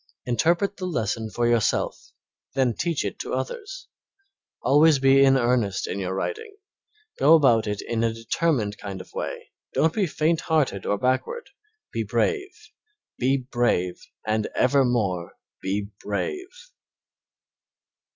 Interpret the lesson for yourself, then teach it to others. Always be in earnest in your writing; go about it in a determined kind of way, don't be faint hearted or backward, be brave, be brave, and evermore be brave.